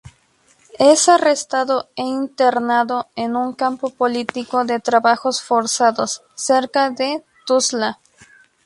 Es arrestado e internado en un campo político de trabajos forzados cerca de Tuzla.